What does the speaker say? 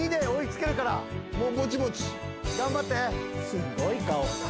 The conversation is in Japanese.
すごい顔。